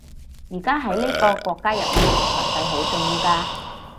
而家喺呢個國家入面財勢好重要㗎